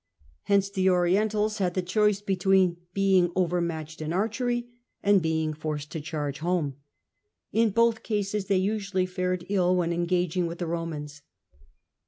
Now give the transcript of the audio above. Hence the Orientals had the choice between being overmatched in archery and being forced to charge home. In both cases they usually fared ill when engaging with the Romans.